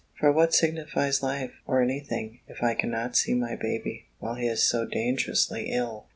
For what signifies life, or any thing, if I cannot see my baby, while he is so dangerously ill!